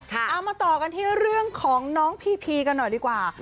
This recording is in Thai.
เอามาต่อกันที่เรื่องของน้องพีพีกันหน่อยดีกว่า